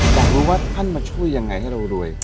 อยากรู้ว่าท่านมาช่วยยังไงให้เรารวย